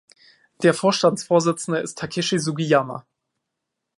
Der Vorstandsvorsitzende ist Takeshi Sugiyama.